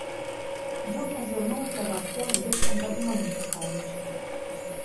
Ён азірнуўся вакол, быццам падмогі шукаючы.